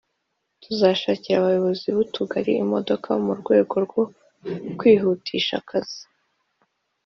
tuzashakira abayobozi b’utugari imodoka mu rwego rwo kwihutisha akazi”